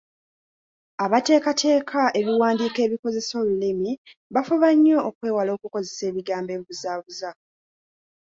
Abateekateeka ebiwandiiko ebikozesa olulimi bafuba nnyo okwewala okukozesa ebigambo ebibuzaabuza.